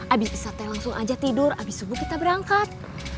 abis wisata langsung aja tidur abis subuh kita berangkat